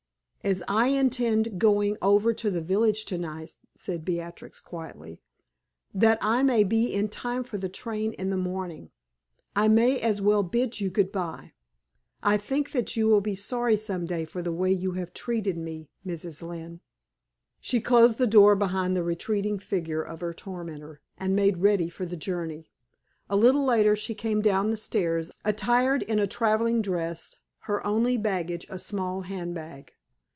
"As I intend going over to the village tonight," said Beatrix, quietly, "that I may be in time for the train in the morning, I may as well bid you good bye. I think that you will be sorry some day for the way that you have treated me, Mrs. Lynne." She closed the door behind the retreating figure of her tormentor, and made ready for the journey. A little later she came down the stairs, attired in a traveling dress, her only baggage a small hand bag.